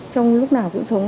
trong lúc nào cũng sống